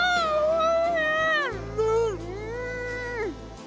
うん！